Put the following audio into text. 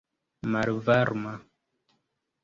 malvarma